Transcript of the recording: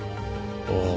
ああ